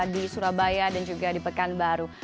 di surabaya dan juga di pekanbaru